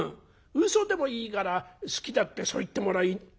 うそでもいいから好きだってそう言ってもらいてえじゃねえか」。